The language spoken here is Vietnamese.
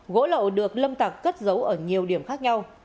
gỗ lậu được lâm tặc cất giấu ở nhiều điểm khác nhau